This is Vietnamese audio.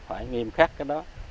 phải nghiêm khắc cái đó